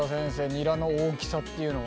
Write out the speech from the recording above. ニラの大きさっていうのは？